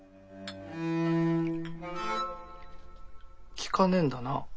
聞かねえんだな？